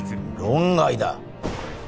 論外だ。